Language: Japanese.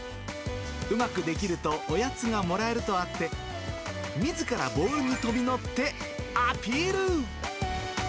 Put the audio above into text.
うまくできると、おやつがもらえるとあって、みずからボールに飛び乗って、アピール。